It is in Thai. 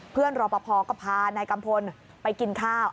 เพื่อนเราพอก็พานายกัมพลไปกินข้าว